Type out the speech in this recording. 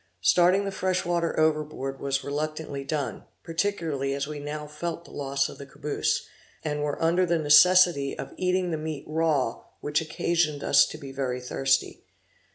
Starting the fresh water overboard was reluctantly done, particularly as we now felt the loss of the caboose, and were under the necessity of eating the meat raw which occasioned us to be very thirsty.